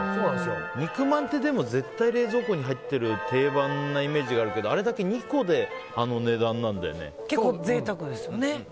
肉まんって絶対冷蔵庫に入ってる定番なイメージがあるけどあれだけ２個で結構、贅沢ですよね。